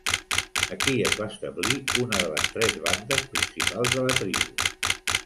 Aquí es va establir una de les tres bandes principals de la tribu.